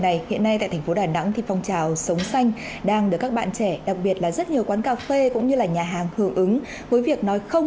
về việc người dân buôn bán động vật hoang dã xử lý những thông tin không đúng sự thật gây ảnh hưởng đến uy tín và hình ảnh của địa phương